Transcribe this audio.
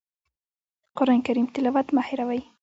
د قرآن کریم تلاوت مه هېروئ.